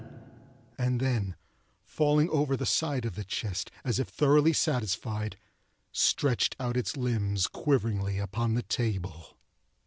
and then, falling over the side of the chest as if thoroughly satisfied, stretched out its limbs quiveringly upon the table.